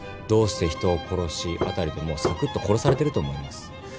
「どうして人を殺し」辺りでもうさくっと殺されてると思います。